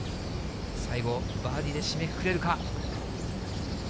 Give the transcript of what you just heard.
最後、バーディーで締めくくれるか。